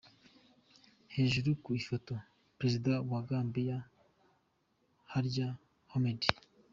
Hejuru ku ifoto : Perezida wa Gambia Yahya Jammeh .